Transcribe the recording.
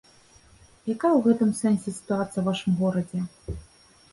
Якая ў гэтым сэнсе сітуацыя ў вашым горадзе?